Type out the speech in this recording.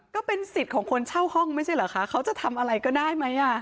ก็เป็นสิทธิ์ของคนเช่าห้องไม่ใช่เหรอคะเขาจะทำอะไรก็ได้ไหม